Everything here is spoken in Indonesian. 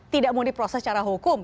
tidak mau diproses secara hukum